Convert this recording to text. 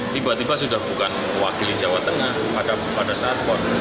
tiba tiba sudah bukan mewakili jawa tengah pada saat pon